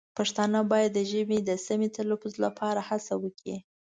پښتانه باید د ژبې د سمې تلفظ لپاره هڅه وکړي.